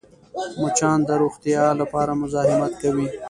مچان د روغتیا لپاره مزاحمت کوي